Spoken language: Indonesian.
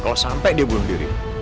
kalau sampai dia bunuh diri